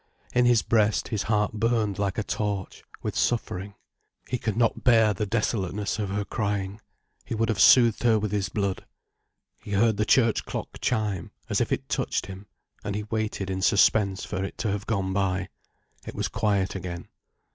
In his breast his heart burned like a torch, with suffering. He could not bear the desolateness of her crying. He would have soothed her with his blood. He heard the church clock chime, as if it touched him, and he waited in suspense for it to have gone by. It was quiet again.